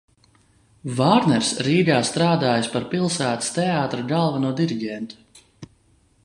Vāgners Rīgā strādājis par Pilsētas teātra galveno diriģentu.